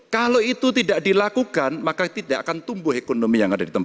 kalau itu tidak dilakukan maka tidak akan tumbuh ekonomi yang ada di tempat